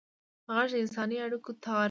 غږ د انساني اړیکو تار دی